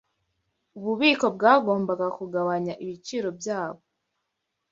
Ububiko bwagombaga kugabanya ibiciro byabo.